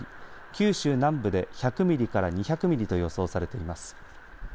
九州南部で１００ミリから２００ミリと予想されています。